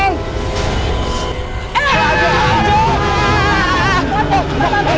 puedan akan akan